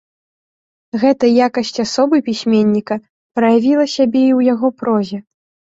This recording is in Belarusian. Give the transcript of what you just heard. Гэта якасць асобы пісьменніка праявіла сябе і ў яго прозе.